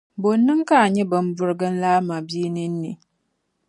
Bɔ n-niŋ ka a nya bimburiginli a mabia ninni?